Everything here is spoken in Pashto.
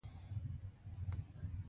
دوغ یا شړومبې د دوی خوښ دي.